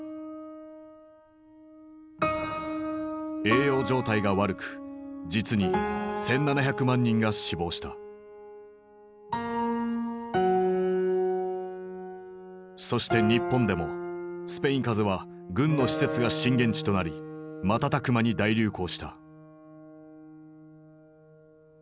栄養状態が悪く実にそして日本でもスペイン風邪は軍の施設が震源地となり瞬く間に大流行した。